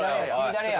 誰や？